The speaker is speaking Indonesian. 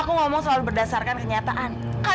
kamilah kamu udah selesai